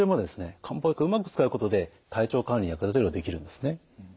漢方薬をうまく使うことで体調管理に役立てることができるんですね。